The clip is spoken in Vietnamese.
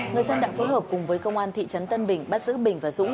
người dân đã phối hợp cùng với công an thị trấn tân bình bắt giữ bình và dũng